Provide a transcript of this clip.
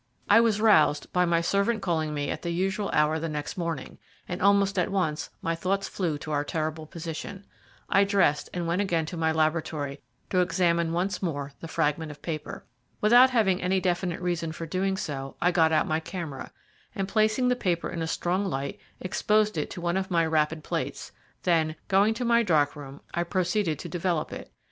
I was roused by my servant calling me at the usual hour the next morning, and almost at once my thoughts flew to our terrible position. I dressed and went again to my laboratory to examine once more the fragment of paper. Without having any definite reason for doing so, I got out my camera, and, placing the paper in a strong light, exposed it to one of my rapid plates; then, going to my dark room, I proceeded to develop it.